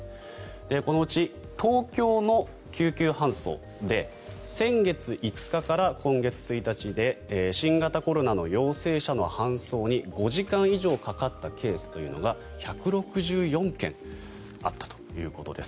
このうち東京の救急搬送で先月５日から今月１日で新型コロナの陽性者の搬送に５時間以上かかったケースというのが１６４件あったということです。